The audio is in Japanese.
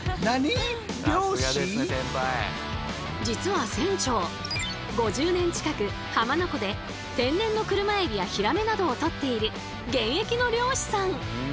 実は船長５０年近く浜名湖で天然の車海老やヒラメなどを取っている現役の漁師さん！